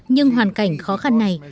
nhưng hoàn cảnh khó khăn này